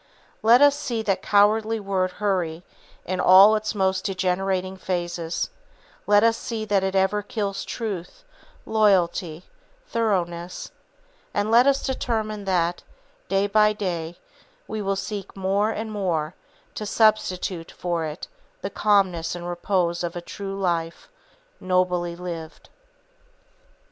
Let us see that cowardly word Hurry in all its most degenerating phases, let us see that it ever kills truth, loyalty, thoroughness; and let us determine that, day by day, we will seek more and more to substitute for it the calmness and repose of a true life, nobly lived.